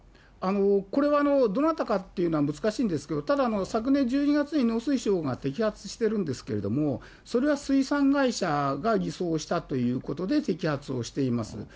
これは、どなたかというのは難しいんですけど、ただ、昨年１２月に農水省が摘発してるんですけれども、それは水産会社が偽装したということで、摘発をしています。